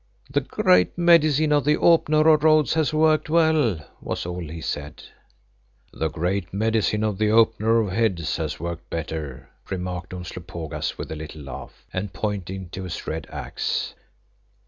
"The Great Medicine of the Opener of Roads has worked well," was all he said. "The great medicine of the Opener of Heads has worked better," remarked Umslopogaas with a little laugh and pointing to his red axe.